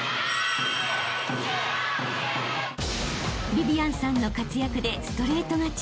［ビビアンさんの活躍でストレート勝ち］